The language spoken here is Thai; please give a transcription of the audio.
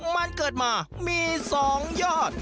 มันเกิดมามี๒ยอด